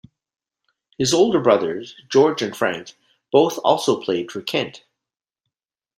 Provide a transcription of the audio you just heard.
His older brothers, George and Frank, both also played for Kent.